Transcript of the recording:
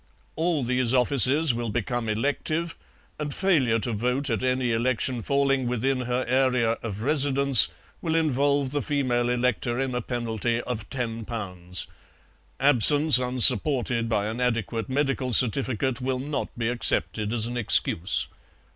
All these offices will become elective, and failure to vote at any election falling within her area of residence will involve the female elector in a penalty of £10. Absence, unsupported by an adequate medical certificate, will not be accepted as an excuse.